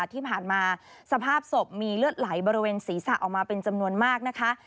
ที่ผ่านมาสภาพศพมีเลือดไหลบริเวณศีรษะออกมาเป็นจำนวนมากนะคะ